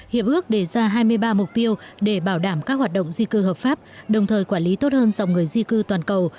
hiệp ước đề ra hai mươi ba mục tiêu để bảo đảm các hoạt động di cư hợp pháp đồng thời quản lý tốt hơn dòng người di cư toàn cầu